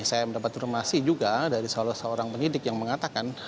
saya mendapat informasi juga dari seorang pendidik yang mengatakan